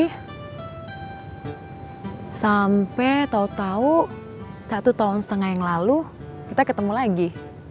sampai tau tau satu tahun setengah yang lalu kita ketemu lagi